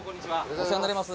お世話になります